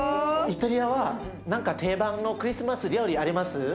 イタリアは何か定番のクリスマス料理あります？